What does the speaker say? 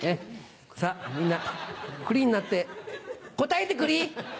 さぁみんなクリになって答えてクリ。